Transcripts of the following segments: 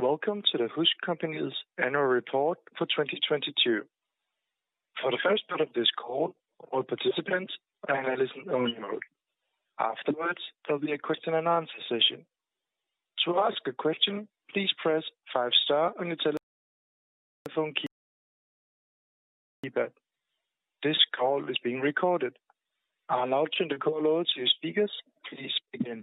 Welcome to the HusCompagniet annual report for 2022. For the first part of this call all participants are in listen only mode. Afterwards there will be a question and answer session. To ask a question, please press five star on your telephone keypad. This call is being recorded. I now turn the call over to your speakers. Please begin.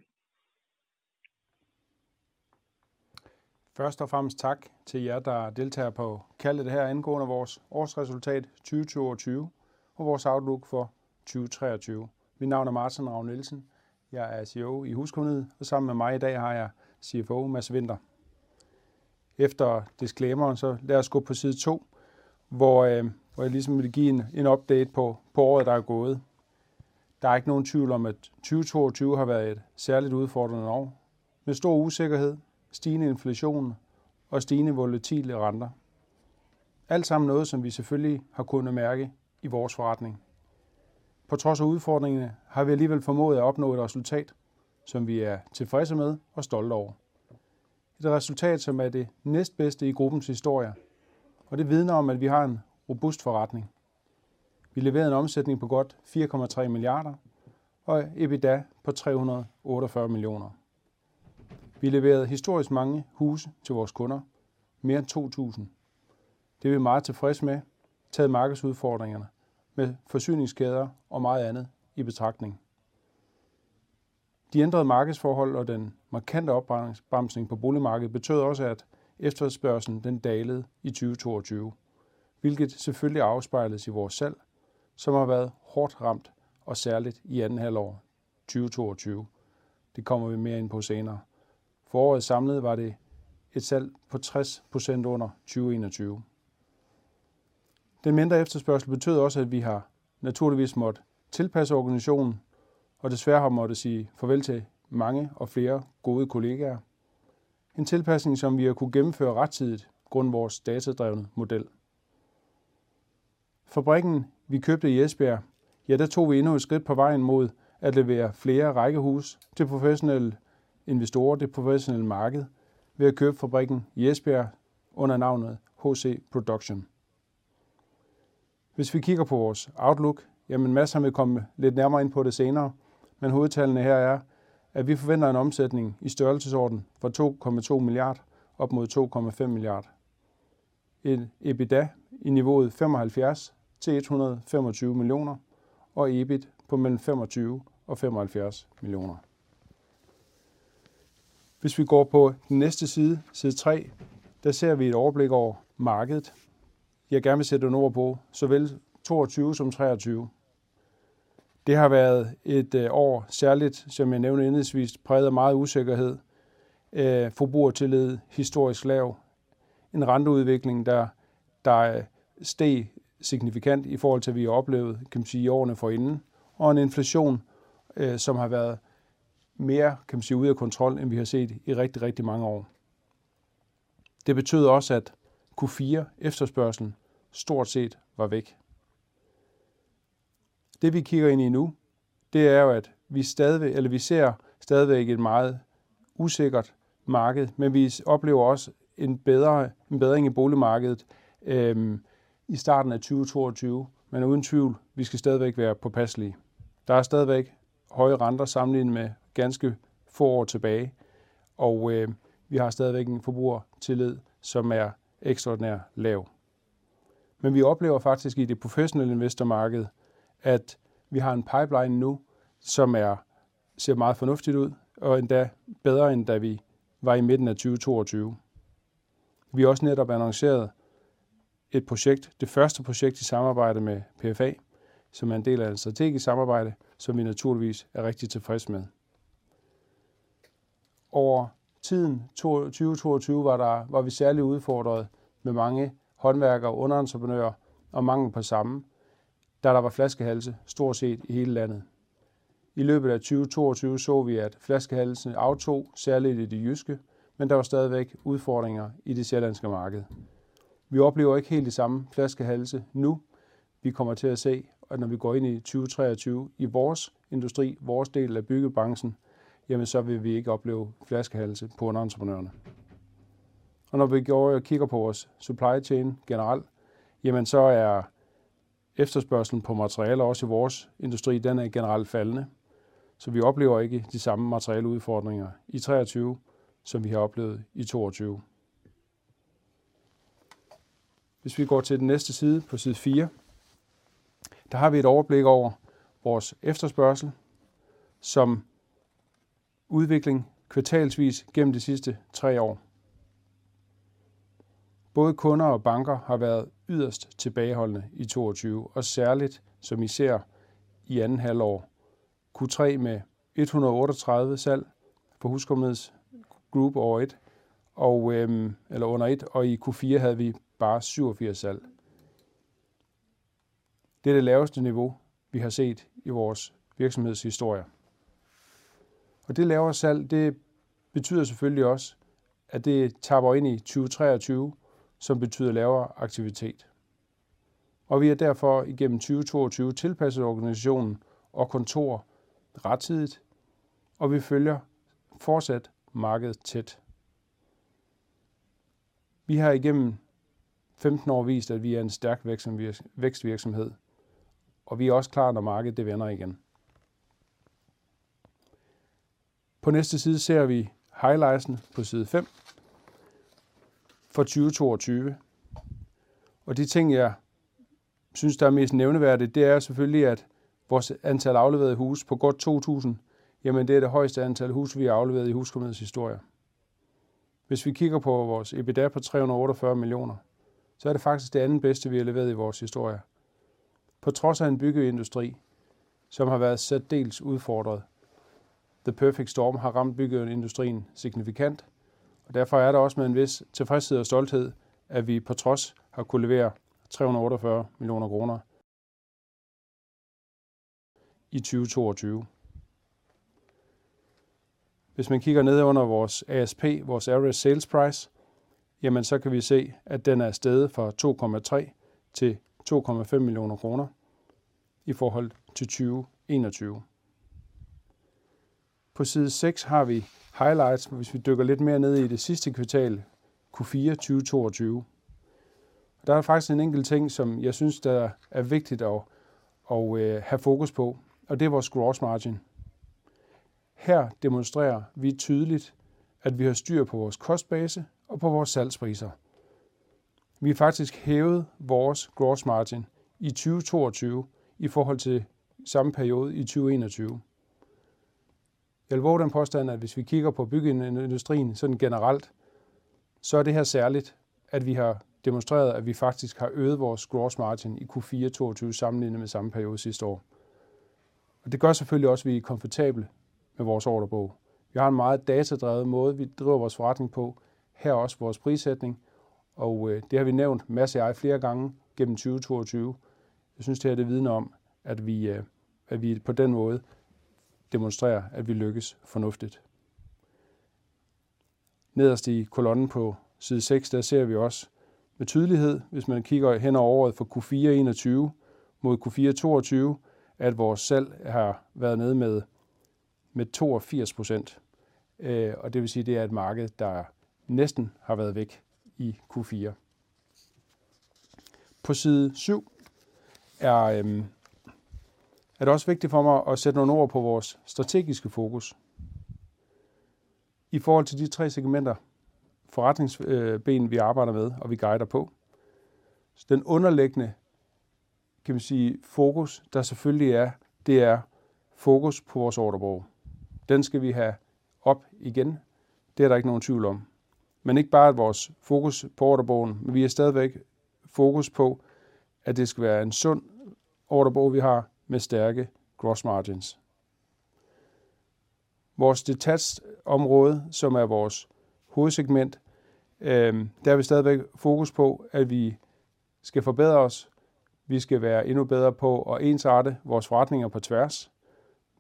Først og fremmest tak til jer, der deltager på kaldet her angående vores årsresultat 2022 og vores outlook for 2023. Mit navn er Martin Ravn-Nielsen. Jeg er CEO i HusCompagniet, og sammen med mig i dag har jeg CFO Mads Winther. Efter disclaimeren, så lad os gå på side 2, hvor jeg ligesom vil give en update på året der er gået. Der er ikke nogen tvivl om, at 2022 har været et særligt udfordrende år med stor usikkerhed, stigende inflation og stigende volatile renter. Alt sammen noget, som vi selvfølgelig har kunnet mærke i vores forretning. På trods af udfordringerne har vi alligevel formået at opnå et resultat, som vi er tilfredse med og stolte over. Et resultat, som er det næstbedste i gruppens historie, og det vidner om, at vi har en robust forretning. Vi leverede en omsætning på godt 4.3 billion og EBITDA på 348 million. Vi leverede historisk mange huse til vores kunder. Mere than 2,000. Det er vi meget tilfredse med, taget markedsudfordringerne med forsyningskæder og meget andet i betragtning. De ændrede markedsforhold og den markante opbremsning på boligmarkedet betød også, at efterspørgslen den dalede i 2022, hvilket selvfølgelig afspejles i vores salg, som har været hårdt ramt og særligt i andet halvår 2022. Det kommer vi mere ind på senere. Året samlet var det et salg på 60% under 2021. Den mindre efterspørgsel betød også, at vi har naturligvis måttet tilpasse organisationen og desværre har måttet sige farvel til mange og flere gode kollegaer. En tilpasning, som vi har kunnet gennemføre rettidigt grundet vores datadrevne model. Fabrikken vi købte i Esbjerg, ja, der tog vi endnu et skridt på vejen mod at levere flere rækkehuse til professionelle investorer, det professionelle marked. Ved at købe fabrikken i Esbjerg under navnet HC Production. Vi kigger på vores outlook, jamen Mads han vil komme lidt nærmere ind på det senere, men hovedtallene her er, at vi forventer en omsætning i størrelsesordenen fra 2.2 billion op mod 2.5 billion. En EBITDA i niveauet 75 million-125 million og EBIT på between 25 million and 75 million. Vi går på den næste side 3. Der ser vi et overblik over markedet. Jeg gerne vil sætte nogle ord på såvel 2022 som 2023. Det har været et år, særligt som jeg nævnte indledningsvis, præget af meget usikkerhed. forbrugertillid historisk lav. En renteudvikling, der steg signifikant i forhold til, at vi har oplevet, kan man sige, i årene forinden og en inflation, som har været mere, kan man sige, ude af kontrol, end vi har set i rigtig mange år. Det betød også, at Q4 efterspørgslen stort set var væk. Det, vi kigger ind i nu, det er jo, at vi ser stadigvæk et meget usikkert marked, men vi oplever også en bedring i boligmarkedet i starten af 2022. Uden tvivl, vi skal stadigvæk være påpasselige. Der er stadigvæk høje renter sammenlignet med ganske få år tilbage, og vi har stadigvæk en forbrugertillid, som er ekstraordinær lav. Vi oplever faktisk i det professionelle investormarked, at vi har en pipeline nu, som ser meget fornuftigt ud og endda bedre, end da vi var i midten af 2022. Vi har også netop annonceret et projekt, det første projekt i samarbejde med PFA, som er en del af et strategisk samarbejde, som vi naturligvis er rigtig tilfredse med. Over tiden 2022 var vi særligt udfordret med mange håndværkere og underentreprenører og mangel på samme, da der var flaskehalse stort set i hele landet. I løbet af 2022 så vi, at flaskehalsene aftog, særligt i det jyske, men der var stadigvæk udfordringer i det sjællandske marked. Vi oplever ikke helt de samme flaskehalse nu. Vi kommer til at se, at når vi går ind i 2023 i vores industri, vores del af byggebranchen, jamen så vil vi ikke opleve flaskehalse på underentreprenørerne. Når vi går og kigger på vores supply chain generelt, jamen så er efterspørgslen på materialer også i vores industri, den er generelt faldende, så vi oplever ikke de samme materialeudfordringer i 2023, som vi har oplevet i 2022. Hvis vi går til den næste side på side four. Der har vi et overblik over vores efterspørgsel, som udvikling kvartalsvis gennem de sidste three years. Både kunder og banker har været yderst tilbageholdende i 2022, og særligt som I ser i second half. Q3 med 138 salg for HusCompagniets Group over one, eller under one, og i Q4 havde vi bare 87 salg. Det er det laveste niveau, vi har set i vores virksomhedshistorie. Det lavere salg, det betyder selvfølgelig også, at det tapper ind i 2023, som betyder lavere aktivitet. Vi har derfor igennem 2022 tilpasset organisationen og kontor rettidigt, og vi følger fortsat markedet tæt. Vi har igennem 15 år vist, at vi er en stærk vækst og vækst virksomhed, og vi er også klar, når markedet vender igen. På næste side ser vi highlightsene på side 5 for 2022, og de ting, jeg synes, der er mest nævneværdigt, det er selvfølgelig, at vores antal afleverede huse på godt 2,000. Jamen, det er det højeste antal huse, vi har afleveret i HusCompagniets historie. Hvis vi kigger på vores EBITDA på 344 million, så er det faktisk det anden bedste, vi har leveret i vores historie. På trods af en byggeindustri, som har været særdeles udfordret. The Perfect Storm har ramt byggeindustrien signifikant. Derfor er det også med en vis tilfredshed og stolthed, at vi på trods har kunnet levere 344 million. I 2022. Man kigger nede under vores ASP, vores Average Sales Price, jamen så kan vi se, at den er steget fra 2.3 million-2.5 million kroner i forhold til 2021. På side 6 har vi highlights. Vi dykker lidt mere ned i det sidste kvartal, Q4 2022. Der er faktisk en enkelt ting, som jeg synes, der er vigtigt at have fokus på, og det er vores gross margin. Her demonstrerer vi tydeligt, at vi har styr på vores kostbase og på vores salgspriser. Vi har faktisk hævet vores gross margin i 2022 i forhold til samme periode i 2021. Jeg vil vove den påstand, at hvis vi kigger på byggeindustrien sådan generelt, så er det her særligt, at vi har demonstreret, at vi faktisk har øget vores gross margin i Q4 2022 sammenlignet med samme periode sidste år. Det gør selvfølgelig også, at vi er komfortable med vores ordrebog. Vi har en meget datadrevet måde, vi driver vores forretning på. Her er også vores prissætning, og det har vi nævnt Mads og jeg flere gange gennem 2022. Jeg synes, det her det vidner om, at vi på den måde demonstrerer, at vi lykkes fornuftigt. Nederst i kolonnen på side seks, der ser vi også med tydelighed, hvis man kigger hen over året for Q4 2021 mod Q4 2022, at vores salg har været nede med 82%. Det vil sige, det er et marked, der næsten har været væk i Q4. På side syv er det også vigtigt for mig at sætte nogle ord på vores strategiske fokus. I forhold til de tre segmenter forretningsben, vi arbejder med, og vi guider på. Den underliggende, kan man sige, fokus, der selvfølgelig er. Det er fokus på vores ordrebog. Den skal vi have op igen. Det er der ikke nogen tvivl om. Ikke bare vores fokus på ordrebogen. Vi har stadigvæk fokus på, at det skal være en sund ordrebog, vi har med stærke gross margins. Vores detached område, som er vores hovedsegment. Der har vi stadigvæk fokus på, at vi skal forbedre os. Vi skal være endnu bedre på at ensarte vores forretninger på tværs.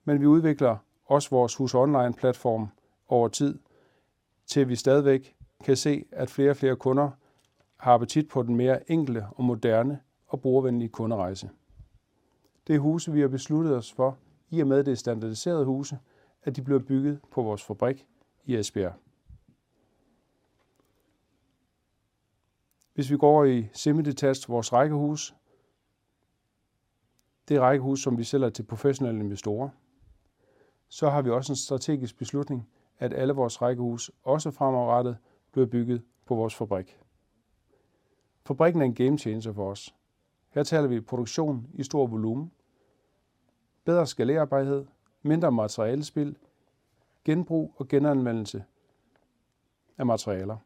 Vi udvikler også vores HusOnline platform over tid, til vi stadigvæk kan se, at flere og flere kunder har appetit på den mere enkle og moderne og brugervenlige kunderejse. Det er huse, vi har besluttet os for, i og med det er standardiserede huse, at de bliver bygget på vores fabrik i Esbjerg. Hvis vi går over i semi-detached, vores rækkehuse. Det er rækkehuse, som vi sælger til professionelle investorer. Har vi også en strategisk beslutning, at alle vores rækkehuse også fremadrettet bliver bygget på vores fabrik. Fabrikken er en game changer for os. Her taler vi produktion i stor volumen, bedre skalérbarhed, mindre materialespild, genbrug og genanvendelse af materialer.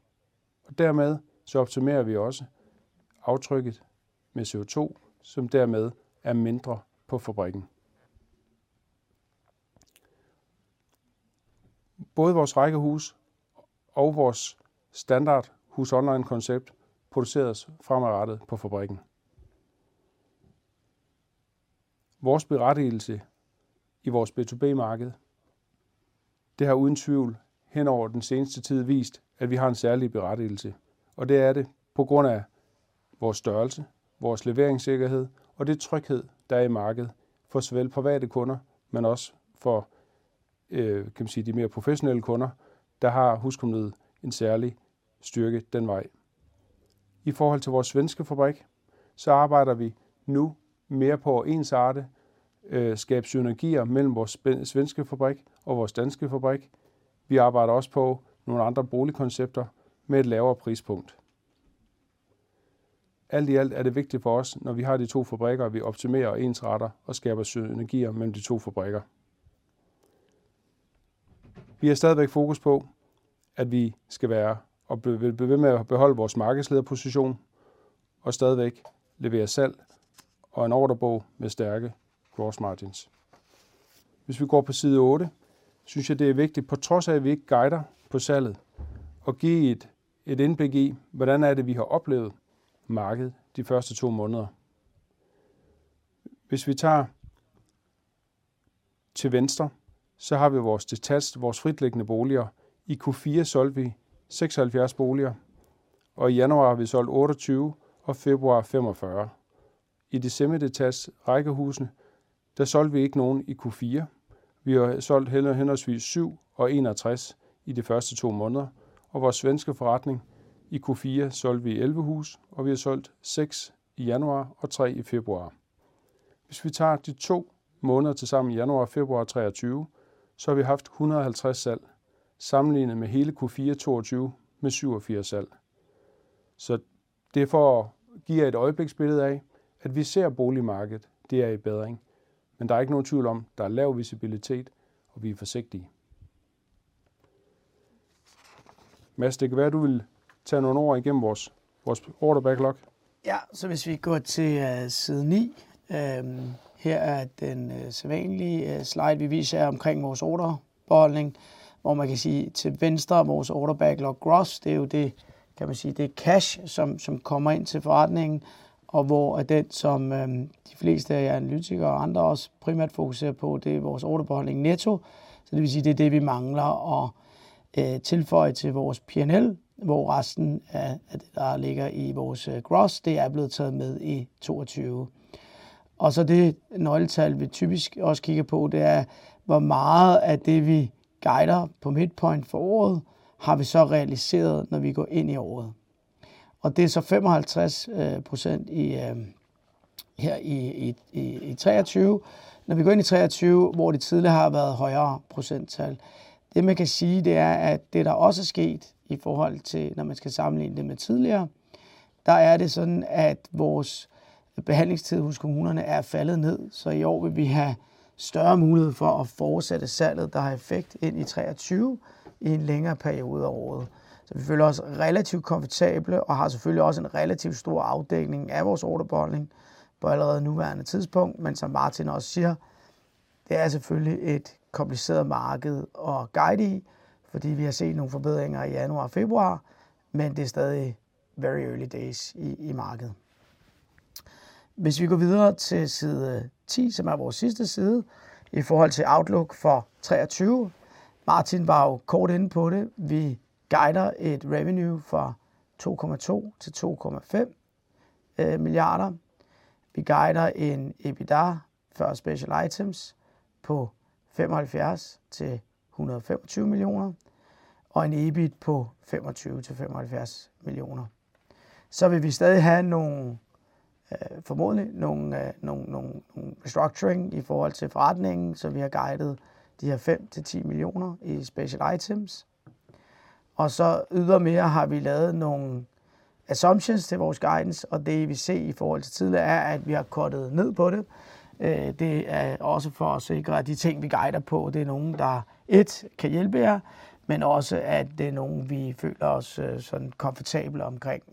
Dermed så optimerer vi også aftrykket med CO2, som dermed er mindre på fabrikken. Både vores rækkehuse og vores standard HusOnline koncept produceres fremadrettet på fabrikken. Vores berettigelse i vores B2B marked. Det har uden tvivl hen over den seneste tid vist, at vi har en særlig berettigelse, og det er det på grund af vores størrelse, vores leveringssikkerhed og den tryghed, der er i markedet for såvel private kunder, men også for, kan man sige, de mere professionelle kunder. Der har HusCompagniet en særlig styrke den vej. I forhold til vores svenske fabrik, arbejder vi nu mere på at ensarte, skabe synergier mellem vores svenske fabrik og vores danske fabrik. Vi arbejder også på nogle andre boligkoncepter med et lavere prispunkt. Alt i alt er det vigtigt for os, når vi har de to fabrikker, at vi optimerer og ensarter og skaber synergier mellem de to fabrikker. Vi har stadigvæk fokus på, at vi skal være og blive ved med at beholde vores markedslederposition og stadigvæk levere salg og en ordrebog med stærke gross margins. Hvis vi går på side 8, synes jeg, det er vigtigt, på trods af at vi ikke guider på salget og give et indblik i, hvordan er det, vi har oplevet markedet de first two months. Til venstre så har vi vores detached, vores fritliggende boliger. I Q4 solgte vi 76 boliger og i January har vi solgt 28 og February 45. I de semidetached rækkehusene der solgte vi ikke nogen i Q4. Vi har solgt henholdsvis 7 og 61 i de first two months og vores svenske forretning i Q4 solgte vi 11 huse, og vi har solgt 6 i January and 3 in February. Hvis vi tager de two months tilsammen January and February 2023, så har vi haft 150 salg sammenlignet med hele Q4 2022 med 87 salg. Det er for at give jer et øjebliksbillede af, at vi ser boligmarkedet. Det er i bedring, men der er ikke nogen tvivl om, at der er lav visibilitet, og vi er forsigtige. Mads det kan være at du ville tage nogle ord igennem vores order backlog. Hvis vi går til side 9. Her er den sædvanlige slide vi viser jer omkring vores orderbeholdning, hvor man kan sige til venstre vores gross order backlog. Det er jo det kan man sige. Det er cash som kommer ind til forretningen og hvor den som de fleste af jer analytikere og andre også primært fokuserer på, det er vores orderbeholdning netto. Det vil sige, det er det, vi mangler at tilføje til vores P&L, hvor resten af det, der ligger i vores gross, det er blevet taget med i 2022. Det nøgletal vi typisk også kigger på, det er hvor meget af det vi guider på midpoint for året har vi så realiseret, når vi går ind i året. Og det er så 55% i her i 2023, når vi går ind i 2023, hvor det tidligere har været højere procenttal. Det man kan sige, det er, at det der også er sket i forhold til når man skal sammenligne det med tidligere, der er det sådan, at vores behandlingstid hos kommunerne er faldet ned. I år vil vi have større mulighed for at fortsætte salget, der har effekt ind i 2023 i en længere periode af året. Vi føler os relativt komfortable og har selvfølgelig også en relativ stor afdækning af vores order backlog på allerede nuværende tidspunkt. Som Martin også siger, det er selvfølgelig et kompliceret marked at guide i, fordi vi har set nogle forbedringer i januar og februar, men det er stadig very early days i markedet. Hvis vi går videre til side 10, som er vores sidste side i forhold til outlook for 2023. Martin var jo kort inde på det. Vi guider et revenue fra 2.2 billion-2.5 billion. Vi guider en EBITDA før special items på 75 million-125 million og en EBIT på 25 million-75 million. Vi vil stadig have nogle formodentlig nogle restructuring i forhold til forretningen, så vi har guidet de her 5 million-10 million i special items. Ydermere har vi lavet nogle assumptions til vores guidance, og det I vil se i forhold til tidligere er, at vi har cuttet ned på det. Det er også for at sikre, at de ting vi guider på, det er nogen der et kan hjælpe jer, men også at det er nogen vi føler os komfortable omkring.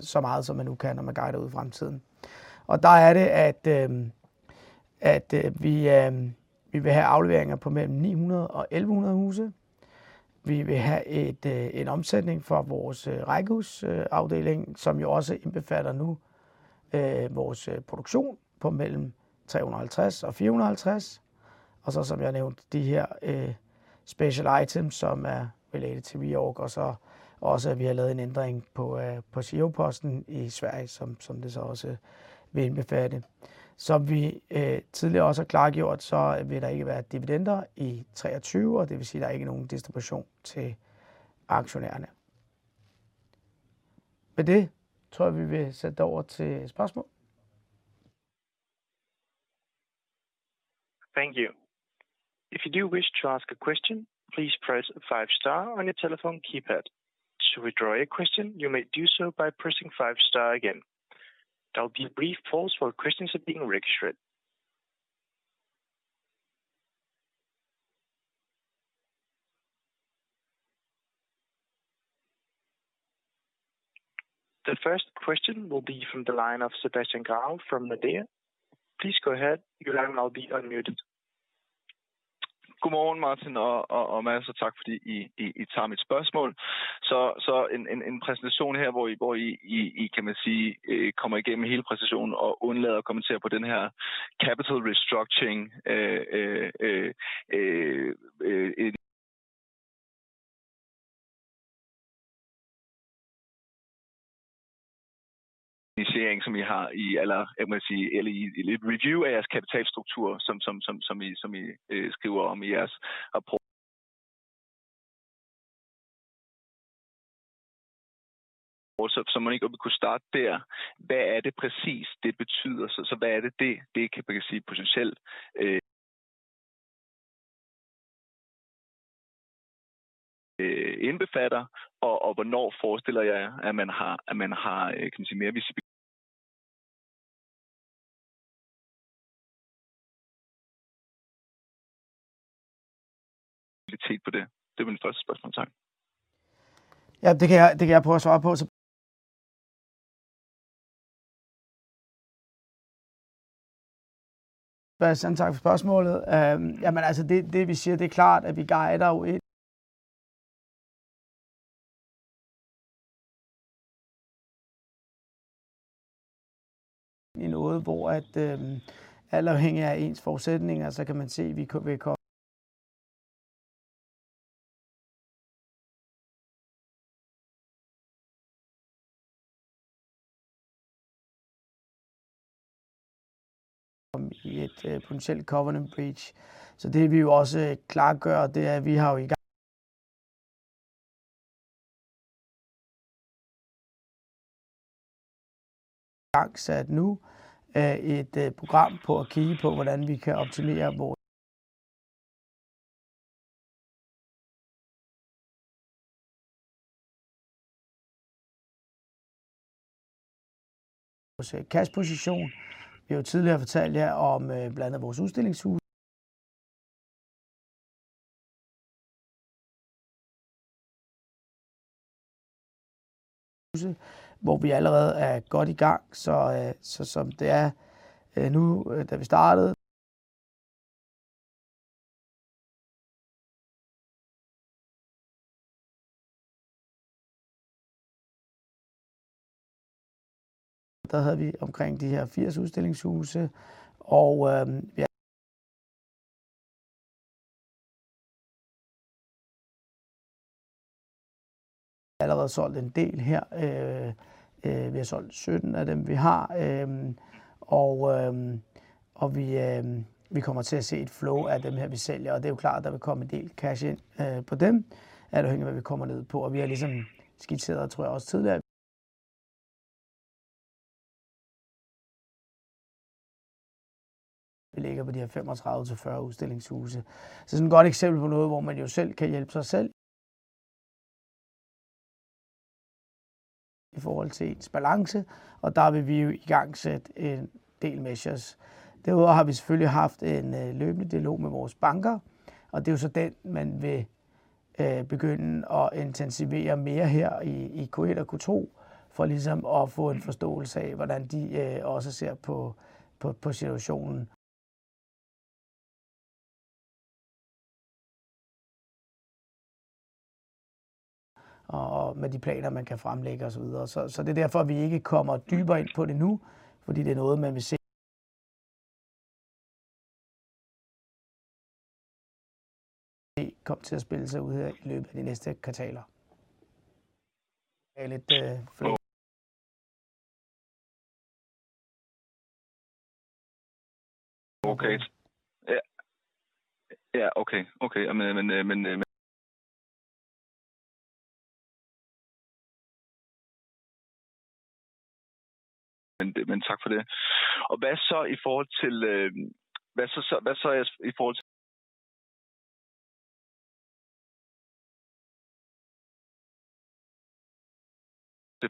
Så meget som man nu kan, når man guider ud i fremtiden. Der er det at vi vil have afleveringer på mellem 900-1,100 huse. Vi vil have en omsætning fra vores rækkehus afdeling, som jo også indbefatter nu vores produktion på mellem 350-450. Som jeg nævnte de her special items, som er relateret til VårgårdaHus. Også at vi har lavet en ændring på giroposten i Sverige, som det så også vil indbefatte. Som vi tidligere også har klargjort, så vil der ikke være dividender i 2023, og det vil sige, at der ikke er nogen distribution til aktionærerne. Med det tror jeg, vi vil sætte dig over til spørgsmål. Thank you. If you wish to ask a question, please press 5 star on your telephone keypad. To withdraw your question, you may do so by pressing 5 star again. There will be a brief pause while questions are being registered. The first question will be from the line of Sebastian Grave from Nordea. Please go ahead. You will now be unmuted. Godmorgen Martin og Mads, og tak fordi I tager mit spørgsmål. En præsentation her hvor I kan man sige kommer igennem hele præsentationen og undlader at kommentere på den her capital restructuring. Initiering som I har i. Eller kan man sige eller i et review af jeres kapitalstruktur, som I skriver om i jeres rapport. Man ikke kunne starte der. Hvad er det præcist det betyder? Hvad er det kan man sige potentielt. Indbefatter? Hvornår forestiller I jer, at man har mere vis. Billet på det? Det var mit første spørgsmål. Ja, det kan jeg. Det kan jeg prøve at svare på. Sebastian, tak for spørgsmålet. Det vi siger, det er klart, at vi guider. I noget, hvor at alt afhængig af ens forudsætninger, så kan man se, vi vil komme i et potentielt covenant breach. Det vi jo også klargør, det er, at vi har jo igangsat nu et program på at kigge på, hvordan vi kan optimere vors cash position. Vi har jo tidligere fortalt jer om blandt andet vores udstillingshuse, hvor vi allerede er godt i gang. Som det er nu, da vi startede, der havde vi omkring de her 80 udstillingshuse, og vi har allerede solgt en del her. Vi har solgt 17 af dem, vi har. Vi kommer til at se et flow af dem her, vi sælger. Det er jo klart, at der vil komme en del cash ind på dem, alt afhængig af hvad vi kommer ned på. Vi har ligesom skitseret, tror jeg også tidligere, vi ligger på de her 35-40 udstillingshuse. Sådan et godt eksempel på noget, hvor man jo selv kan hjælpe sig selv i forhold til ens balance, og der vil vi jo igangsætte en del measures. Derudover har vi selvfølgelig haft en løbende dialog med vores banker, og det er jo så den, man vil begynde at intensivere mere her i Q1 og Q2 for ligesom at få en forståelse af, hvordan de også ser på situationen. Med de planer, man kan fremlægge og så videre. Det er derfor, at vi ikke kommer dybere ind på det nu, fordi det er noget, man vil se. se komme til at spille sig ud i løbet af de næste kvartaler. Ja, lidt flow. Okay. Ja. Ja, okay. Men tak for det. Hvad så i forhold til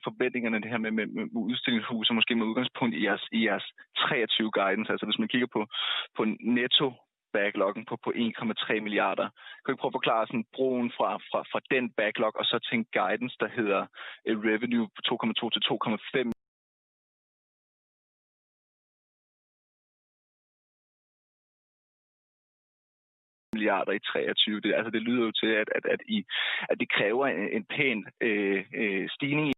forventningerne i det her med udstillingshuse og måske med udgangspunkt i jeres 2023 guidance? Altså hvis man kigger på netto backloggen på 1.3 billion, kan du ikke prøve at forklare sådan broen fra den backlog og så til en guidance, der hedder et revenue på 2.2 billion-2.5 billion in 2023? Det, altså det lyder jo til, at I, at det kræver en pæn stigning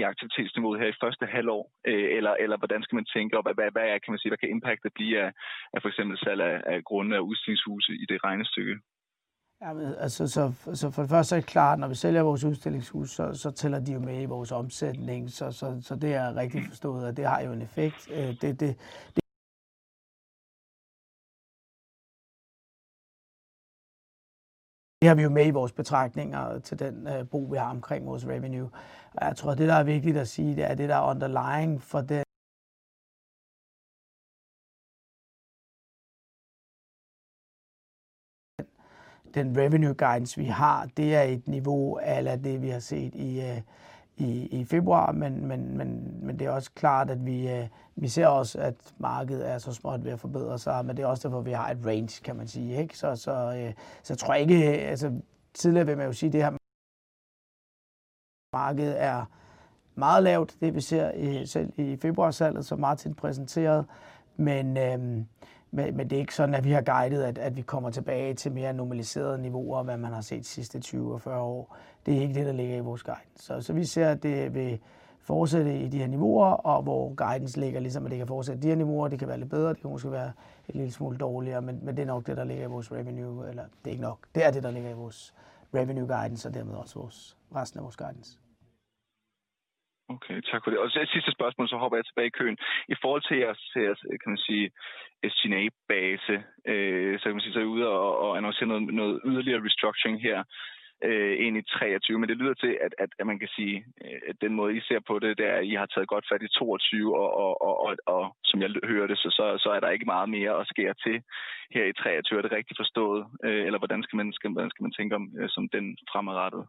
i aktivitetsniveau her i første halvår? Eller hvordan skal man tænke, og hvad er, kan man sige, hvad kan impactet blive af for eksempel salg af grunde og udstillingshuse i det regnestykke? For det første så klart, når vi sælger vores udstillingshuse, så tæller de jo med i vores omsætning. Det er rigtigt forstået, og det har jo en effekt. Det har vi jo med i vores betragtninger til den bro, vi har omkring vores revenue. Jeg tror, det der er vigtigt at sige, det er det, der er underlying for den revenue guidance, vi har. Det er et niveau a la det, vi har set i februar. Det er også klart, at vi ser også, at markedet er så småt ved at forbedre sig. Det er også derfor, vi har et range, kan man sige, ikke? Tror jeg ikke. Tidligere vil man jo sige, at det her marked er meget lavt. Det vi ser i, selv i februarsalget, som Martin præsenterede. Det er ikke sådan, at vi har guidet, at vi kommer tilbage til mere normaliserede niveauer, hvad man har set de sidste 20 og 40 år. Det er ikke det, der ligger i vores guidance. Vi ser, at det vil fortsætte i de her niveauer, og hvor guidance ligger, ligesom at det kan fortsætte i de her niveauer. Det kan være lidt bedre, det kan måske være en lille smule dårligere, men det er nok det, der ligger i vores revenue. Eller det er ikke nok. Det er det, der ligger i vores revenue guidance og dermed også vores, resten af vores guidance. Okay, tak for det. Et sidste spørgsmål, så hopper jeg tilbage i køen. I forhold til jeres, kan man sige, ESNA-base, så er I ude og annoncere noget yderligere restructuring her ind i 2023. Det lyder til, at man kan sige, at den måde I ser på det er, at I har taget godt fat i 2022, og som jeg hører det, så er der ikke meget mere at skære til her i 2023. Er det rigtigt forstået? Eller hvordan skal man tænke om, sådan den fremadrettet?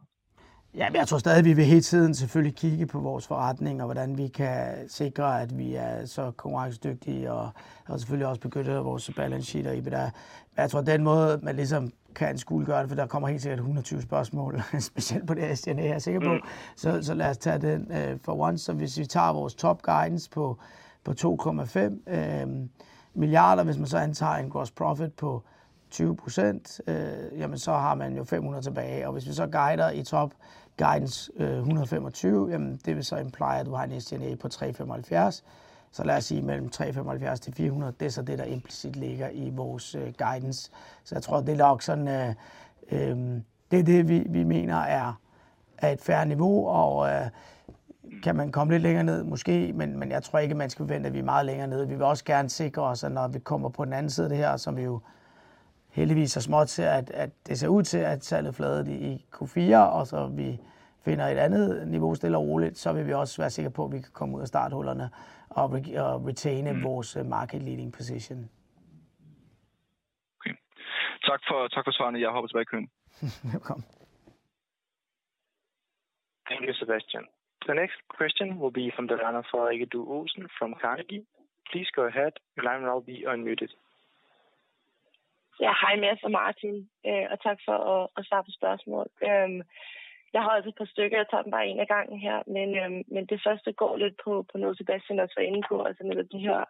Jeg tror stadig, vi vil hele tiden selvfølgelig kigge på vores forretning, og hvordan vi kan sikre, at vi er så konkurrencedygtige og selvfølgelig også begynde vores balance sheet og EBITDA. Jeg tror, den måde man ligesom kan anskueliggøre det, for der kommer helt sikkert 120 spørgsmål, specielt på det ESNA, er jeg sikker på. Lad os tage den for once. Hvis vi tager vores top guidance på 2.5 billion, hvis man så antager en gross profit på 20%, så har man jo 500 tilbage. Hvis vi så guider i top guidance, 125, det vil så impliere, at du har en ESNA på 375. Lad os sige mellem 375-400. Det er så det, der implicit ligger i vores guidance. Jeg tror, det er nok sådan, det er det, vi mener er et fair niveau, og kan man komme lidt længere ned? Måske. Jeg tror ikke, at man skal forvente, at vi er meget længere nede. Vi vil også gerne sikre os, at når vi kommer på den anden side af det her, som vi jo heldigvis så småt ser, at det ser ud til, at tallet fladede i Q4, og så vi finder et andet niveau stille og roligt, så vil vi også være sikre på, at vi kan komme ud af starthullerne og retaine vores market leading position. Okay, tak for, tak for svarene. Jeg hopper tilbage i køen. Velbekomme. Thank you, Sebastian. The next question will be from the line of Frederikke Due Olsen from Carnegie. Please go ahead. Your line will be unmuted. Ja, hej Mads og Martin, og tak for at svare på spørgsmål. Jeg har også et par stykker. Jeg tager dem bare en ad gangen her. Men, men det første går lidt på noget, Sebastian også var inde på, altså med de her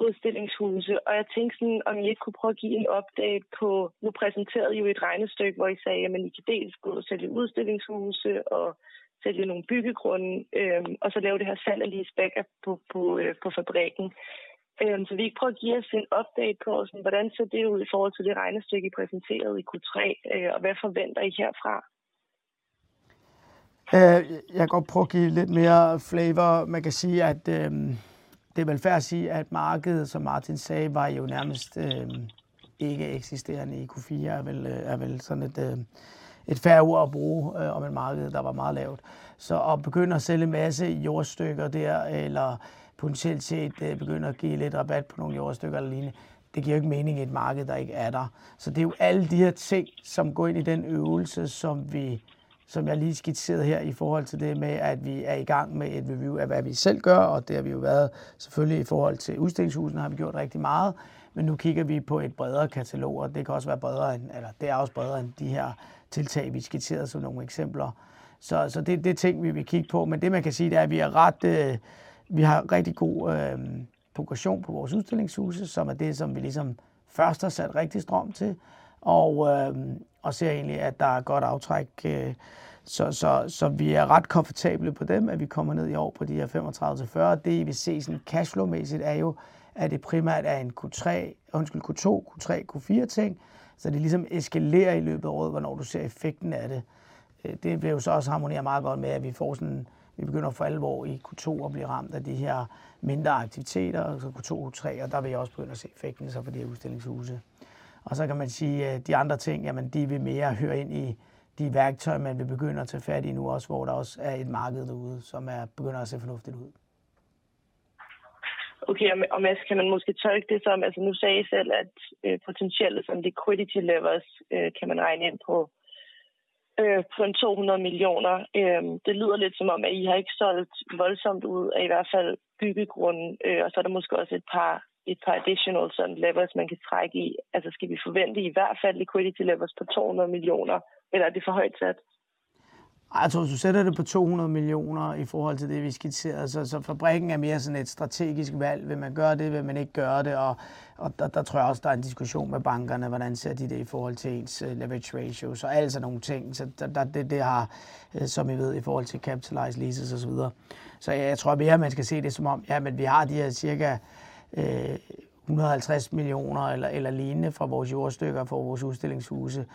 udstillingshuse. Og jeg tænkte sådan, om I ikke kunne prøve at give en update på... Nu præsenterede I jo et regnestykke, hvor I sagde, jamen I kan dels gå og sælge udstillingshuse og sælge nogle byggegrunde, og så lave det her salg og leaseback på fabrikken. Kan vi ikke prøve at give os en update på sådan, hvordan ser det ud i forhold til det regnestykke, I præsenterede i Q3, og hvad forventer I herfra? Jeg kan godt prøve at give lidt mere flavor. Man kan sige, at det er vel fair at sige, at markedet, som Martin sagde, var jo nærmest ikkeeksisterende i Q4, er vel sådan et fair ord at bruge om et marked, der var meget lavt. At begynde at sælge en masse jordstykker der eller potentielt set begynde at give lidt rabat på nogle jordstykker eller lignende, det giver jo ikke mening i et marked, der ikke er der. Det er jo alle de her ting, som går ind i den øvelse, som vi, som jeg lige skitserede her i forhold til det med, at vi er i gang med et review af, hvad vi selv gør, og det har vi jo været selvfølgelig i forhold til udstillingshusene har vi gjort rigtig meget, men nu kigger vi på et bredere katalog, og det kan også være bredere end, eller det er også bredere end de her tiltag, vi skitserede som nogle eksempler. Det er ting, vi vil kigge på. Det man kan sige, det er, at vi er ret, vi har rigtig god booking på vores udstillingshuse, som er det, som vi ligesom først har sat rigtig strøm til, og ser egentlig, at der er godt aftræk. Vi er ret komfortable på dem, at vi kommer ned i år på de her 35-40. Det I vil se sådan cash flow-mæssigt er jo, at det primært er en Q3, undskyld, Q2, Q3, Q4 ting. Det ligesom eskalerer i løbet af året, hvornår du ser effekten af det. Det vil jo så også harmonere meget godt med, at. Vi begynder for alvor i Q2 at blive ramt af de her mindre aktiviteter, så Q2, Q3, og der vil I også begynde at se effekten så på de her udstillingshuse. Kan man sige, at de andre ting, jamen de vil mere høre ind i de værktøjer, man vil begynde at tage fat i nu også, hvor der også er et marked derude, som er, begynder at se fornuftigt ud. Okay, og Mads, kan man måske tolke det som, nu sagde I selv, at potentielt sådan liquidity levers, kan man regne ind på på en 200 million. Det lyder lidt som om, at I har ikke solgt voldsomt ud af i hvert fald byggegrunde. Så er der måske også et par additional sådan levers, man kan trække i. Skal vi forvente i hvert fald liquidity levers på 200 million, eller er det for højt sat? Nej, altså hvis du sætter det på 200 million i forhold til det, vi skitserede. Fabrikken er mere sådan et strategisk valg. Vil man gøre det? Vil man ikke gøre det? Der tror jeg også, der er en diskussion med bankerne. Hvordan ser de det i forhold til ens leverage ratios og alle sådan nogle ting. Det har, som I ved, i forhold til capitalized leases og så videre. Jeg tror mere, man skal se det som om, jamen vi har de her cirka, 150 million eller lignende fra vores jordstykker og fra vores udstillingshuse.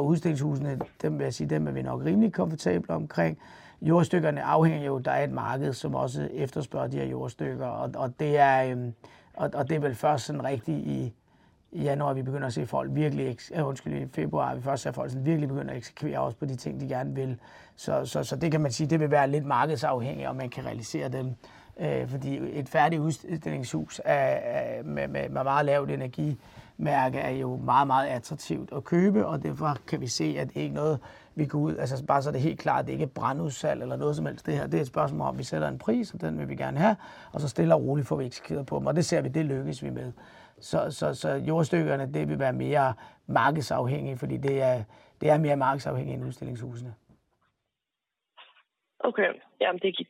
Udstillingshusene, dem vil jeg sige, dem er vi nok rimelig komfortable omkring. Jordstykkerne afhænger jo, der er et marked, som også efterspørger de her jordstykker, og det er, og det er vel først sådan rigtigt i januar, vi begynder at se folk virkelig, undskyld, i februar vi først ser folk sådan virkelig begynde at eksekvere også på de ting, de gerne vil. Det kan man sige, det vil være lidt markedsafhængigt, om man kan realisere dem. Et færdigt udstillingshus af, med meget lavt energimærke er jo meget attraktivt at købe, og derfor kan vi se, at det ikke er noget, vi kan. Bare så det er helt klart, det er ikke et brandudsalg eller noget som helst det her. Det er et spørgsmål om, at vi sætter en pris, og den vil vi gerne have. Stille og roligt får vi eksekveret på dem, og det ser vi, det lykkes vi med. Jordstykkerne, det vil være mere markedsafhængigt, fordi det er mere markedsafhængigt end udstillingshusene. Okay.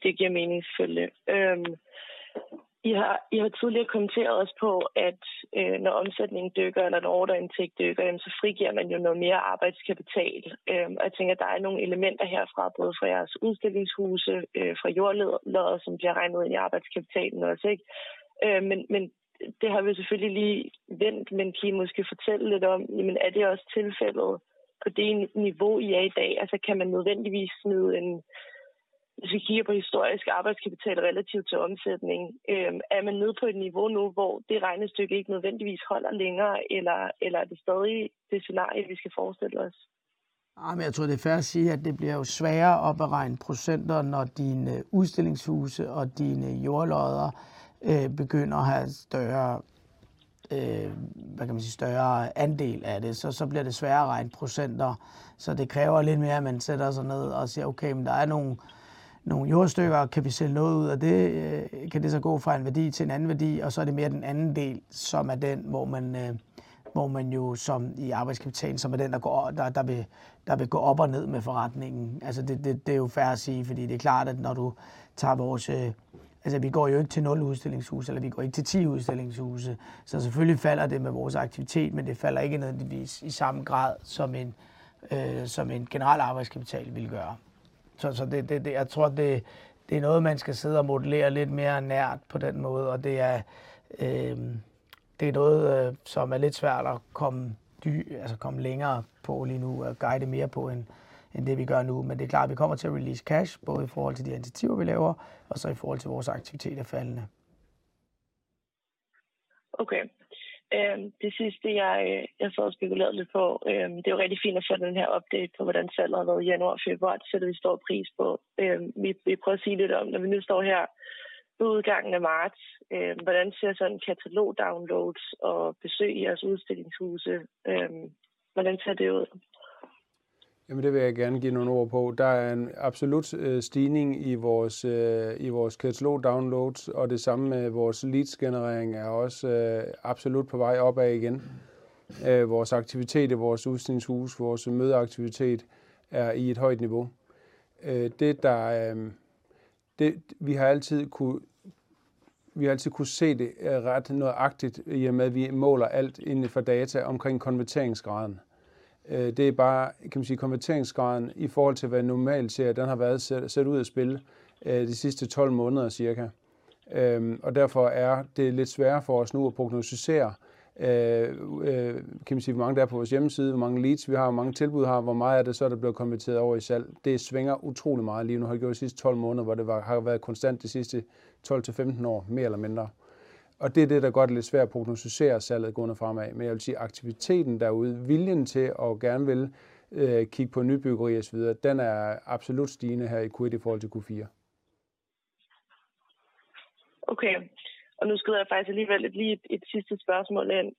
Det giver mening selvfølgelig. I har tidligere kommenteret også på, at når omsætningen dykker, eller når order intake dykker, så frigiver man jo noget mere arbejdskapital. Jeg tænker, der er nogle elementer herfra både fra jeres udstillingshuse, fra jordlodder, som bliver regnet ind i arbejdskapitalen også, ikke? Men det har vi selvfølgelig lige vendt, men kan I måske fortælle lidt om, jamen er det også tilfældet på det niveau, I er i dag? Altså kan man nødvendigvis, hvis vi kigger på historisk arbejdskapital relativt til omsætning, er man nede på et niveau nu, hvor det regnestykke ikke nødvendigvis holder længere, eller er det stadig det scenarie, vi skal forestille os? Nej, jeg tror, det er fair at sige, at det bliver jo sværere at opregne procenter, når dine udstillingshuse og dine jordlodder begynder at have større, hvad kan man sige, større andel af det. Så bliver det sværere at regne procenter. Det kræver lidt mere, at man sætter sig ned og ser, okay, der er nogle jordstykker. Kan vi sælge noget ud af det? Kan det så gå fra en værdi til en anden værdi? Det er mere den anden del, som er den, hvor man, hvor man jo som i arbejdskapital, som er den, der vil gå op og ned med forretningen. Det er jo fair at sige, fordi det er klart, at når du tager vores... Altså vi går jo ikke til 0 udstillingshuse, eller vi går ikke til 10 udstillingshuse. Selvfølgelig falder det med vores aktivitet, men det falder ikke nødvendigvis i samme grad som en generel arbejdskapital ville gøre. Det jeg tror, det er noget, man skal sidde og modellere lidt mere nært på den måde. Det er noget, som er lidt svært at komme længere på lige nu og guide mere på end det vi gør nu. Det er klart vi kommer til at release cash både i forhold til de initiativer vi laver og så i forhold til vores aktivitet er faldende. Okay. Det sidste jeg sad og spekulerede lidt på. Det er jo rigtig fint at få den her update på, hvordan salget har været i januar og februar. Det sætter vi stor pris på. Vil I prøve at sige lidt om, når vi nu står her udgangen af marts, hvordan ser sådan katalog downloads og besøg i jeres udstillingshuse, hvordan ser det ud? Det vil jeg gerne give nogle ord på. Der er en absolut stigning i vores i vores katalog downloads, og det samme med vores leads generering er også absolut på vej opad igen. Vores aktivitet i vores udstillingshuse, vores mødeaktivitet er i et højt niveau. Vi har altid kunnet se det ret nøjagtigt, i og med vi måler alt inden for data omkring konverteringsgraden. Det er bare, kan man sige, konverteringsgraden i forhold til hvad vi normalt ser, den har været sat ud af spil de sidste 12 måneder cirka. Og derfor er det lidt sværere for os nu at prognosticere, kan man sige, hvor mange der er på vores hjemmeside, hvor mange leads vi har, hvor mange tilbud har, hvor meget af det så der bliver konverteret over i salg. Det svinger utroligt meget lige nu. Har gjort de sidste 12 måneder, hvor det har været konstant de sidste 12-15 år. Mere eller mindre. Det er det, der gør det lidt svært at prognosticere salget gående fremad. Jeg vil sige aktiviteten derude, viljen til at gerne vil kigge på nybyggeri og så videre, den er absolut stigende her i Q1 i forhold til Q4. Okay. Nu skrider jeg faktisk alligevel lige et sidste spørgsmål ind.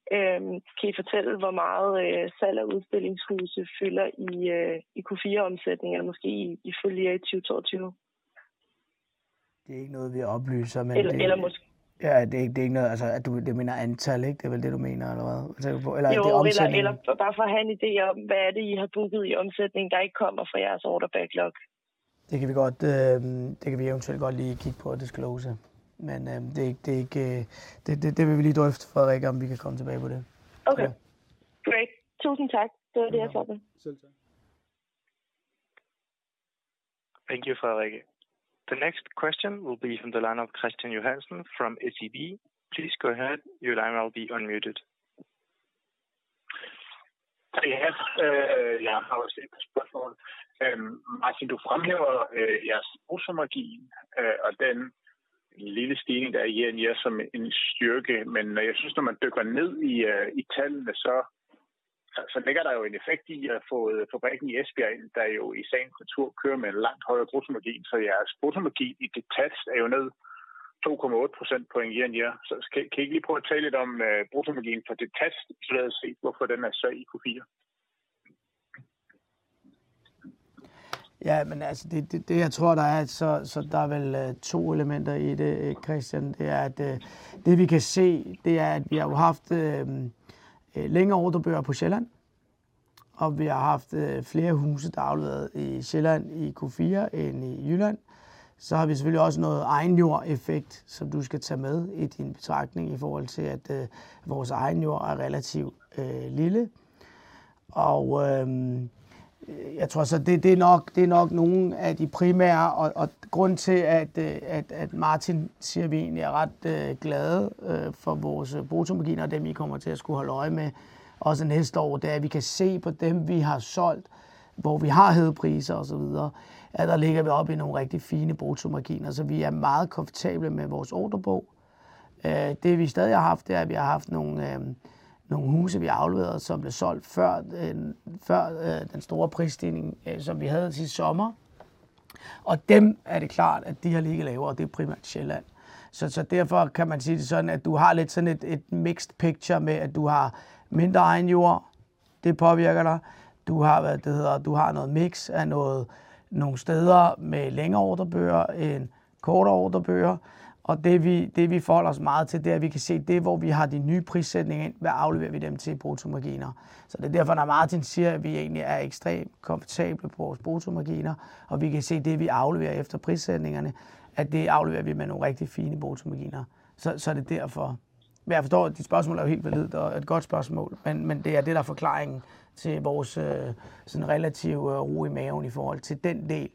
Kan I fortælle, hvor meget salg af udstillingshuse fylder i Q4 omsætningen eller måske i full year i 2022? Det er ikke noget vi har oplyst. Måske. Ja, det er ikke noget, altså du mener antal, ikke? Det er vel det, du mener eller hvad? Eller er det omsætning? Bare for at have en idé om, hvad er det I har booket i omsætning, der ikke kommer fra jeres order backlog. Det kan vi godt, det kan vi eventuelt godt lige kigge på at disclose, men det er ikke, det vil vi lige drøfte, Frederikke, om vi kan komme tilbage på det. Okay, great. Tusind tak. Det var det, jeg spurgte om. Selv tak. Thank you Frederikke. The next question will be from the line of Christian Johansen from SEB. Please go ahead. Your line will be unmuted. Hej. Jeg har også et par spørgsmål. Martin, du fremhæver jeres bruttomargin og den lille stigning, der er year-over-year som en styrke. Jeg synes, når man dykker ned i tallene, så ligger der jo en effekt i at have fået fabrikken i Esbjerg ind, der jo i sagens natur kører med en langt højere bruttomargin, så jeres bruttomargin i detached er jo ned 2.8 percentage points year-over-year. Kan I ikke lige prøve at tale lidt om bruttomargin for detached isoleret set, hvorfor den er så i Q4? Jamen altså, det jeg tror der er, så der er vel to elementer i det, ikke Kristian? Det er, at det vi kan se, det er, at vi har jo haft, længere ordrebøger på Sjælland, og vi har haft flere huse, der er afleveret i Sjælland i Q4 end i Jylland. Har vi selvfølgelig også noget egen jord effekt, som du skal tage med i din betragtning i forhold til at vores egen jord er relativ, lille. Jeg tror så det er nok, det er nok nogle af de primære og grunden til at, at Martin siger vi egentlig er ret glade for vores bruttomarginer og dem I kommer til at skulle holde øje med også næste år, det er, at vi kan se på dem vi har solgt, hvor vi har hævet priser og så videre, at der ligger vi oppe i nogle rigtig fine bruttomarginer, så vi er meget komfortable med vores ordrebog. Det vi stadig har haft, det er, at vi har haft nogle huse vi har afleveret, som blev solgt før den, før den store prisstigning, som vi havde sidste sommer. Dem er det klart, at de har ligget lavere, og det er primært Sjælland. Derfor kan man sige det sådan, at du har lidt sådan et mixed picture med, at du har mindre egen jord. Det påvirker dig. Du har, hvad er det hedder, noget miks af nogle steder med længere ordrebøger end kortere ordrebøger og det vi forholder os meget til, det er, at vi kan se det, hvor vi har de nye prissætninger ind, hvad afleverer vi dem til i bruttomarginer. Det er derfor, når Martin siger, at vi egentlig er ekstremt komfortable på vores bruttomarginer, og vi kan se det, vi afleverer efter prissætningerne, at det afleverer vi med nogle rigtig fine bruttomarginer. Det er derfor. Jeg forstår, dit spørgsmål er jo helt valid og et godt spørgsmål, men det er det, der er forklaringen til vores sådan relative ro i maven i forhold til den del.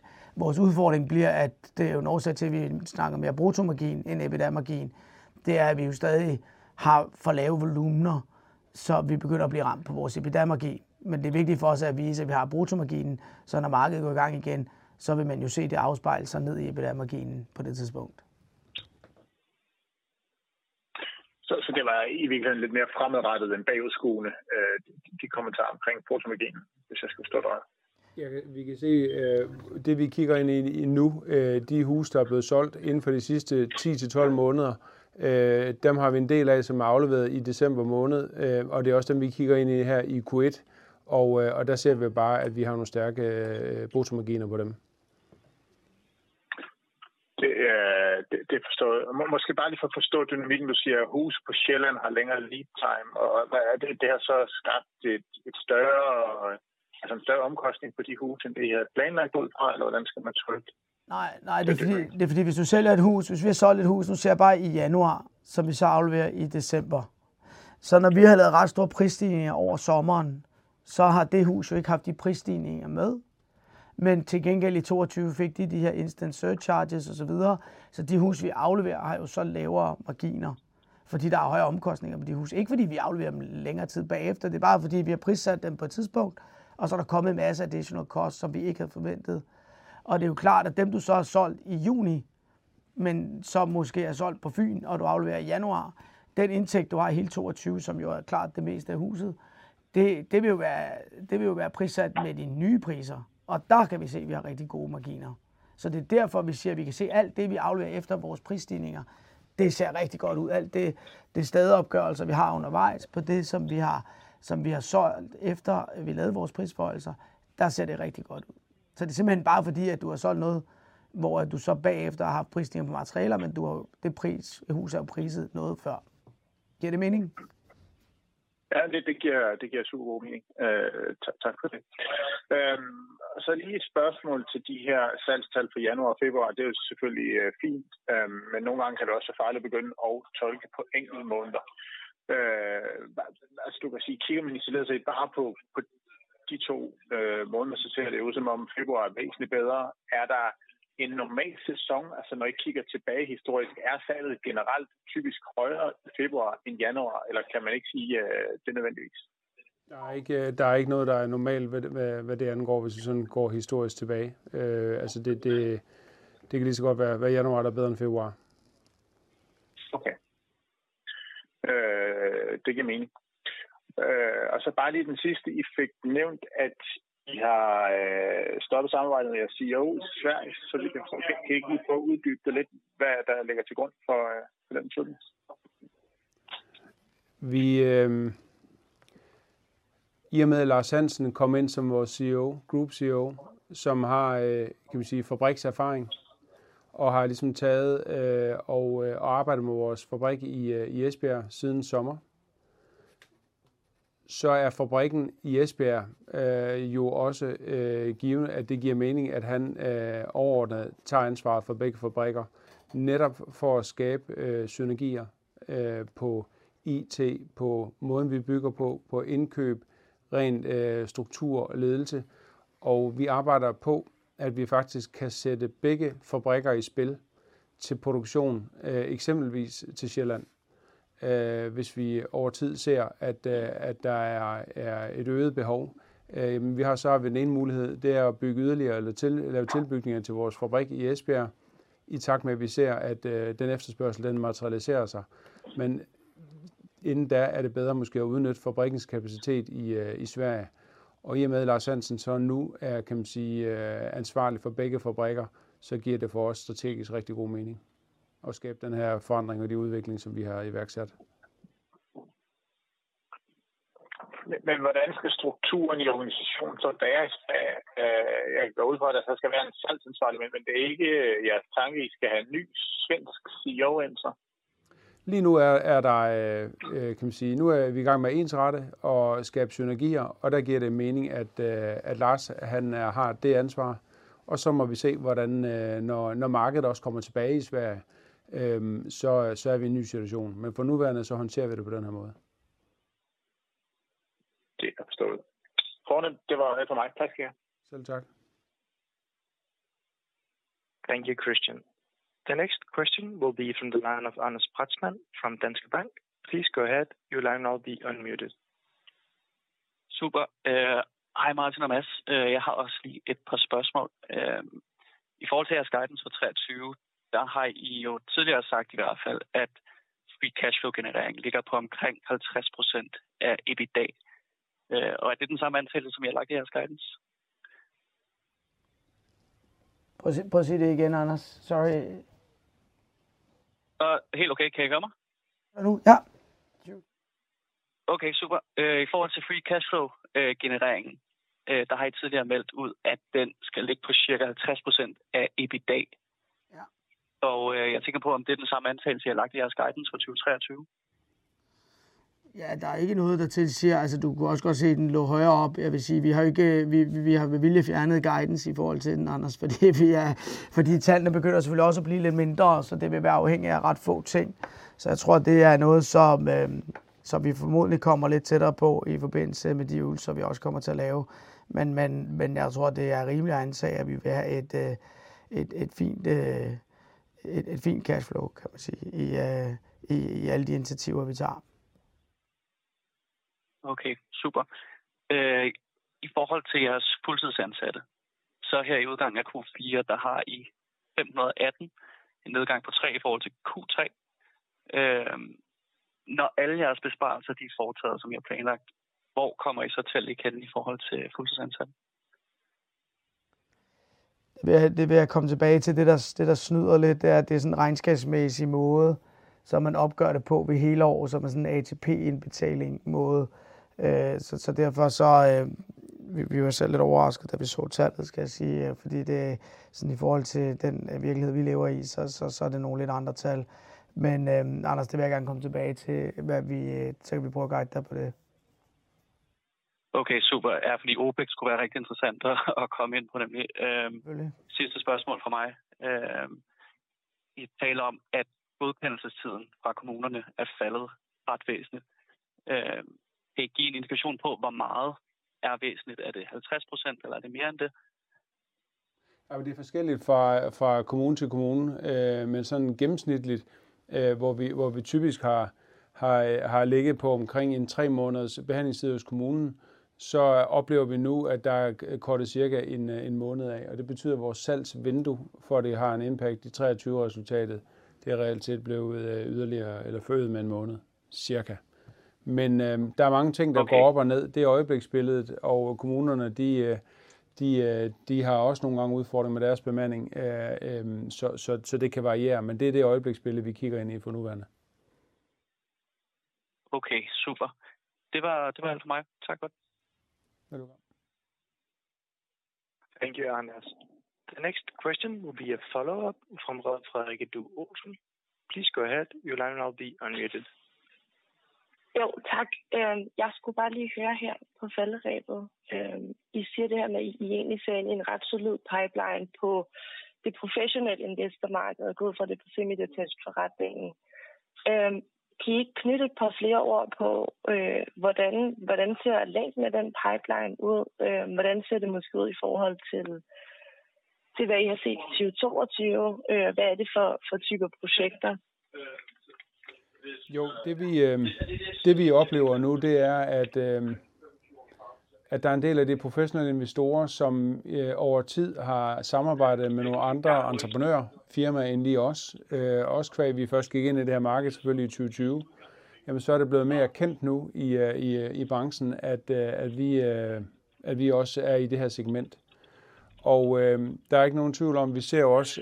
Vores udfordring bliver, at det er jo en årsag til, at vi snakker mere bruttomargin end EBITDA-margin. Det er, at vi jo stadig har for lave volumener, så vi begynder at blive ramt på vores EBITDA-margin. Det er vigtigt for os at vise, at vi har bruttomarginen, så når markedet går i gang igen, så vil man jo se det afspejle sig ned i EBITDA-marginen på det tidspunkt. Det var i virkeligheden lidt mere fremadrettet end bagudskuende, de kommentarer omkring bruttomarginen. Hvis jeg skal opsummere. Ja, vi kan se, det vi kigger ind i nu, de huse der er blevet solgt inden for de sidste 10-12 måneder, dem har vi en del af, som er afleveret i december måned, og det er også dem, vi kigger ind i her i Q1. Der ser vi bare, at vi har nogle stærke bruttomarginer på dem. Det forstår jeg. Måske bare lige for at forstå dynamikken. Du siger huse på Sjælland har længere lead time, hvad er det har så skabt en større omkostning på de huse, end det I havde planlagt ud fra, eller hvordan skal man tolke det? Nej, nej, det er fordi hvis du sælger et hus, hvis vi har solgt et hus, nu ser jeg bare i januar, som vi så afleverer i december. Når vi har lavet ret store prisstigninger over sommeren, så har det hus jo ikke haft de prisstigninger med. Til gengæld i 2022 fik de de her instant surcharges og så videre. De huse vi afleverer har jo så lavere marginer, fordi der er højere omkostninger på de huse. Ikke fordi vi afleverer dem længere tid bagefter. Det er bare fordi vi har prissat dem på et tidspunkt, og så er der kommet en masse additional costs, som vi ikke havde forventet. Det er jo klart, at dem du så har solgt i juni, men som måske er solgt på Fyn og du afleverer i januar. Den indtægt du har i hele 2022, som jo er klaret det meste af huset, det vil jo være, det vil jo være prissat med de nye priser, og there we can see, at vi har rigtig gode margins. That is why we say, at vi kan se alt det, vi afleverer efter vores prisstigninger. Det ser rigtig godt ud. Alt det er stadeopgørelser, vi har undervejs på det, som vi har solgt efter vi lavede vores prisforhøjelser. Der ser det rigtig godt ud. It is simply because you have solgt noget, hvor at du så bagefter har haft prisstigning på materialer. Men du har jo, hus er jo priced noget før. Giver det mening? Ja, det giver super god mening. Tak for det. Lige et spørgsmål til de her salgstal for januar og februar. Det er selvfølgelig fint, nogle gange kan det også være farligt at begynde at tolke på enkeltmåneder. Kigger man således set bare på de to måneder, så ser det ud som om februar er væsentligt bedre. Er der en normal sæson? Når I kigger tilbage historisk, er salget generelt typisk højere i februar end januar, eller kan man ikke sige, at det nødvendigvis? Der er ikke noget, der er normalt, hvad det angår, hvis vi sådan går historisk tilbage. Altså det kan lige så godt være januar, der er bedre end februar. Okay. Det giver mening. Bare lige den sidste. I fik nævnt, at I har stoppet samarbejdet med jeres CEO i Sverige, så kan I ikke lige prøve at uddybe det lidt, hvad der ligger til grund for den beslutning? Vi, i og med at Lars Hansen kom ind som vores CEO, group CEO, som har fabrikserfaring og har ligesom taget og arbejdet med vores fabrik i Esbjerg siden sommer, så er fabrikken i Esbjerg jo også givende, at det giver mening, at han overordnet tager ansvaret for begge fabrikker. Netop for at skabe synergier på IT, på måden vi bygger på indkøb, ren struktur og ledelse. Vi arbejder på, at vi faktisk kan sætte begge fabrikker i spil til produktion, eksempelvis til Sjælland. Hvis vi over tid ser, at der er et øget behov. Vi har så har vi den ene mulighed. Det er at bygge yderligere eller lave tilbygninger til vores fabrik i Esbjerg. I takt med at vi ser, at den efterspørgsel den materialiserer sig. Inden da er det bedre måske at udnytte fabrikkens kapacitet i Sverige. I og med at Lars Hansen så nu er, kan man sige, ansvarlig for begge fabrikker, så giver det for os strategisk rigtig god mening at skabe den her forandring og den udvikling, som vi har iværksat. Hvordan skal strukturen i organisationen så være, jeg går ud fra, at der skal være en salgsansvarlig, men det er ikke jeres tanke, I skal have ny svensk CEO ind så? Lige nu er der, kan man sige, nu er vi i gang med at ensrette og skabe synergier, der giver det mening, at Lars han har det ansvar. Så må vi se hvordan, når markedet også kommer tilbage i Sverige, så er vi i en ny situation. For nuværende så håndterer vi det på den her måde. Det er forstået. Fornemt. Det var alt fra mig. Tak skal I have. Selv tak. Thank you, Christian. The next question will be from the line of Anders Bretzmann from Danske Bank. Please go ahead. Your line will be unmuted. Super. Hej Martin og Mads. Jeg har også lige et par spørgsmål. I forhold til jeres guidance for 23. Der har I jo tidligere sagt i hvert fald, at free cash flow generering ligger på omkring 50% af EBITDA. Er det den samme antagelse, som I har lagt i jeres guidance? Prøv at sige det igen, Anders. Sorry. Helt okay. Kan I høre mig? Ja. Okay, super. I forhold til free cash flow, genereringen. Der har I tidligere meldt ud, at den skal ligge på cirka 50% af EBITDA. Ja. jeg tænker på, om det er den samme antagelse I har lagt i jeres guidance for 2023. Der er ikke noget, der tilsiger. Du kunne også godt se den lå højere oppe. Jeg vil sige, vi har jo ikke, vi har med vilje fjernet guidance i forhold til den, Anders, fordi tallene begynder selvfølgelig også at blive lidt mindre, så det vil være afhængig af ret få ting. Jeg tror, det er noget, som vi formodentlig kommer lidt tættere på i forbindelse med de øvelser, vi også kommer til at lave. Jeg tror, det er rimeligt at antage, at vi vil have et fint cash flow, kan man sige, i alle de initiativer vi tager. Okay, super. I forhold til jeres fuldtidsansatte, så her i udgangen af Q4, der har I 518. En nedgang på 3 i forhold til Q3. Når alle jeres besparelser de er foretaget, som I har planlagt, hvor kommer I så talmæssigt hen i forhold til fuldtidsansatte? Det vil jeg komme tilbage til. Det, der snyder lidt, det er, at det er sådan regnskabsmæssige måde, som man opgør det på ved hele år, som er sådan en ATP indbetaling måde. Derfor Vi var selv lidt overrasket, da vi så tallet, skal jeg sige, fordi det sådan i forhold til den virkelighed vi lever i, så er det nogle lidt andre tal. Anders, det vil jeg gerne komme tilbage til, så kan vi prøve at guide dig på det. Okay, super. OPEC skulle være rigtig interessant at komme ind på nemlig. Sidste spørgsmål fra mig. I taler om, at godkendelsestiden fra kommunerne er faldet ret væsentligt. Kan I give en indikation på, hvor meget er væsentligt? Er det 50%, eller er det mere end det? Jamen, det er forskelligt fra kommune til kommune. men sådan gennemsnitligt, hvor vi typisk har ligget på omkring 3 måneders behandlingstid hos kommunen, så oplever vi nu, at der er kortet cirka 1 måned af. Det betyder, at vores salgsvindue for at det har en impact i 2023 resultatet, det er reelt set blevet yderligere eller forøget med 1 måned cirka. Der er mange ting, der går op og ned. Det er øjebliksbilledet og kommunerne de har også nogle gange udfordringer med deres bemanding, så det kan variere. Det er det øjebliksbillede, vi kigger ind i for nuværende. Okay, super. Det var alt fra mig. Tak for det. Velbekomme. Thank you, Anders. The next question will be a follow up from Frederikke Due Olsen. Please go ahead. Your line will now be unmuted. Jo tak. Jeg skulle bare lige høre her på falderebet. I siger det her med, at I egentlig ser en ret solid pipeline på det professionelle investormarked og gået fra det på semi-detached forretningen. Kan I ikke knytte et par flere ord på, hvordan ser længden af den pipeline ud? Hvordan ser det måske ud i forhold til hvad I har set i 2022? Hvad er det for typer projekter? Jo, det vi oplever nu, det er, at der er en del af de professionelle investorer, som over tid har samarbejdet med nogle andre entreprenørfirmaer end lige os. Også qua vi først gik ind i det her marked selvfølgelig i 2020. Så er det blevet mere kendt nu i branchen, at vi også er i det her segment. Der er ikke nogen tvivl om, vi ser jo også,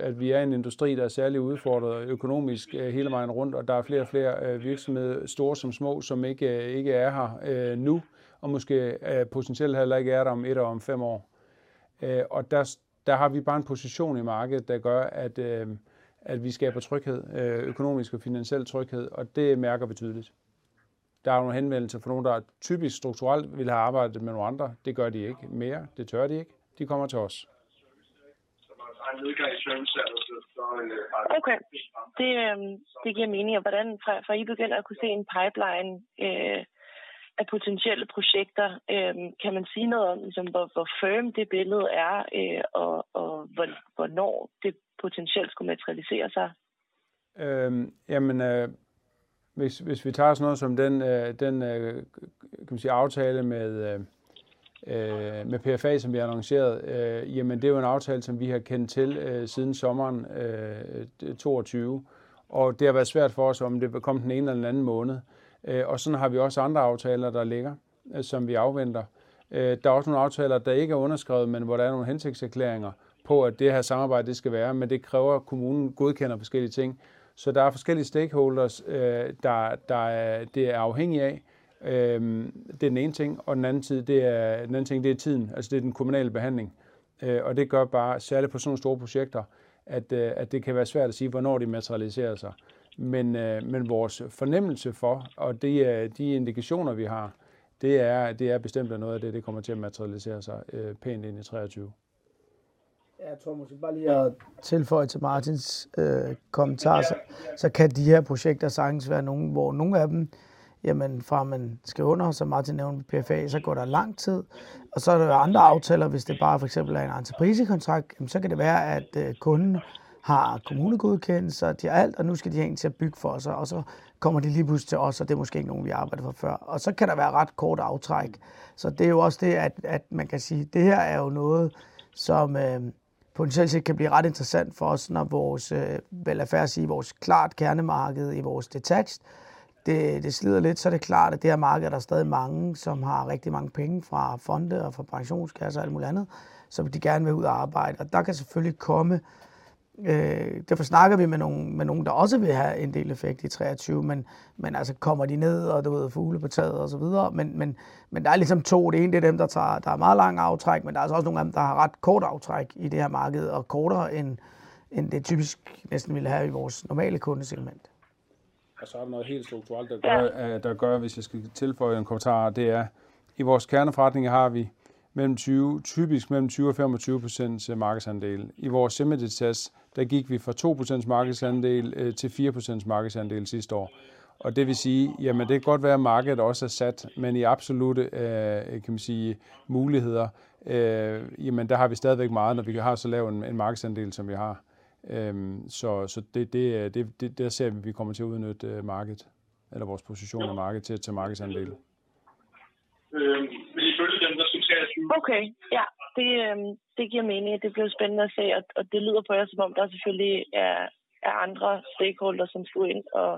at vi er en industri, der er særligt udfordret økonomisk hele vejen rundt, og der er flere og flere virksomheder, store som små, som ikke er her nu og måske potentielt heller ikke er der om 1 og om 5 år. Der, der har vi bare en position i markedet, der gør, at vi skaber tryghed, økonomisk og finansiel tryghed, og det mærker vi tydeligt. Der er nogle henvendelser fra nogen, der typisk strukturelt ville have arbejdet med nogle andre. Det gør de ikke mere. Det tør de ikke. De kommer til os. Okay, det giver mening. Hvordan fra I begynder at kunne se en pipeline af potentielle projekter, kan man sige noget om ligesom, hvor firm det billede er, og hvornår det potentielt skulle materialisere sig? Jamen hvis vi tager sådan noget som den, kan man sige aftale med PFA, som vi har annonceret. Jamen det er jo en aftale, som vi har kendt til siden sommeren 22, og det har været svært for os, om det kom den ene eller den anden måned. Sådan har vi også andre aftaler, der ligger, som vi afventer. Der er også nogle aftaler, der ikke er underskrevet, men hvor der er nogle hensigtserklæringer på, at det her samarbejde det skal være. Det kræver, at kommunen godkender forskellige ting. Der er forskellige stakeholders, der, det er afhængig af. Det er den ene ting, og den anden ting det er tiden. Altså det er den kommunale behandling. Det gør bare, særligt på sådan nogle store projekter, at det kan være svært at sige, hvornår de materialiserer sig. Vores fornemmelse for, og det, de indikationer vi har, det er, at det er bestemt noget af det kommer til at materialisere sig pænt ind i 23. Jeg tror måske bare lige at tilføje til Martin's kommentar, så kan de her projekter sagtens være nogen, hvor nogle af dem, jamen fra man skriver under, som Martin nævnte PFA, så går der lang tid, og så er der andre aftaler. Hvis det bare for eksempel er en entreprisekontrakt, jamen så kan det være, at kunden har kommunegodkendelse, og de har alt, og nu skal de have en til at bygge for sig, og så kommer de lige pludselig til os, og det er måske ikke nogen, vi har arbejdet for før, og så kan der være ret kort aftræk. Det er jo også det, at man kan sige, det her er jo noget, som potentielt set kan blive ret interessant for os, når vores, lad os fair sige vores klart kernemarked i vores detached, det slider lidt. Det er klart, at det her marked er der stadig mange, som har rigtig mange penge fra fonde og fra pensionskasser og alt muligt andet, som de gerne vil ud og arbejde. Der kan selvfølgelig komme... Derfor snakker vi med nogen, med nogen, der også vil have en del effekt i 23. Altså kommer de ned og der ryger fugle på taget og så videre. Der er ligesom to. Det ene det er dem, der tager, der er meget lang aftræk, men der er også nogle af dem, der har ret kort aftræk i det her marked og kortere end det typisk næsten ville have i vores normale kundesegment. Der er noget helt strukturelt, der gør, at, hvis jeg skal tilføje en kommentar, og det er i vores kerneforretning har vi mellem 20, typisk mellem 20 og 25% markedsandel. I vores semi-detached der gik vi fra 2% markedsandel til 4% markedsandel sidste år. Det vil sige, det kan godt være, at markedet også er sat, men i absolutte, kan man sige muligheder, der har vi stadigvæk meget, når vi har så lav en markedsandel, som vi har. Så det, der ser vi kommer til at udnytte markedet eller vores position i markedet til at tage markedsandele. Vil I følge dem, der synes jeg er 7. Okay, ja, det giver mening, og det bliver spændende at se. Det lyder på jer, som om der selvfølgelig er andre stakeholders, som skulle ind og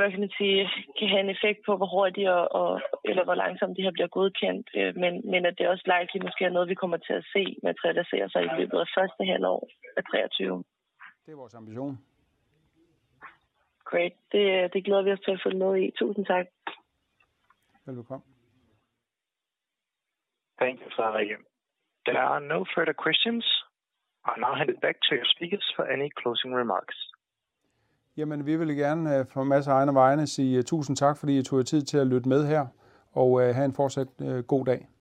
hvad kan man sige, kan have en effekt på, hvor hurtigt og, eller hvor langsomt det her bliver godkendt. Men at det også lejlighed måske er noget, vi kommer til at se materialisere sig i løbet af first half of 2023. Det er vores ambition. Great. Det glæder vi os til at følge med i. Tusind tak. Velbekomme. Thank you, Frederikke. There are no further questions. I now hand it back to your speakers for any closing remarks. Vi vil gerne fra Mads og egne vegne sige tusind tak, fordi I tog jer tid til at lytte med her, og hav en fortsat god dag.